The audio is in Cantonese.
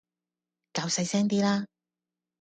較細聲啲啦